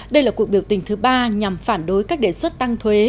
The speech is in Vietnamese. đây là cuộc biểu tình thứ ba nhằm phản đối các đề xuất tăng thuế